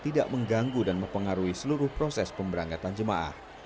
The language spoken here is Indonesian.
tidak mengganggu dan mempengaruhi seluruh proses pemberangkatan jemaah